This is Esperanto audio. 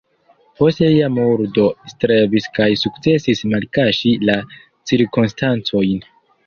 Post lia murdo strebis kaj sukcesis malkaŝi la cirkonstancojn.